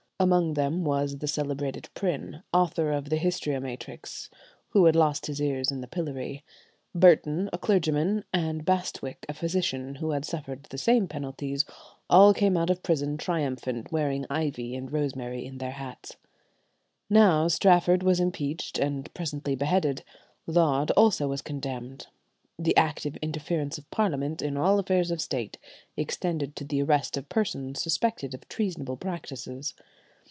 Among them was the celebrated Prynne, author of the "Histriomatrix,"[83:1] who had lost his ears in the pillory; Burton, a clergyman, and Bastwick, a physician, who had suffered the same penalties—all came out of prison triumphant, wearing ivy and rosemary in their hats. Now Strafford was impeached and presently beheaded; Laud also was condemned. The active interference of Parliament in all affairs of State extended to the arrest of persons suspected of treasonable practices.